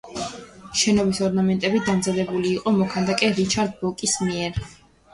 შენობის ორნამენტები დამზადებული იყო მოქანდაკე რიჩარდ ბოკის მიერ.